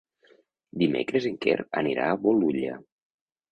Dimecres en Quer anirà a Bolulla.